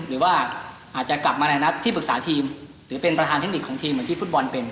หรือว่าอาจจะกลับมาในนัดที่ปรึกษาทีมหรือเป็นประธานเทคนิคของทีมเหมือนที่ฟุตบอลเป็น